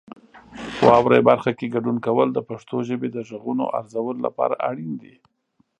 واورئ برخه کې ګډون کول د پښتو ژبې د غږونو ارزولو لپاره اړین دي.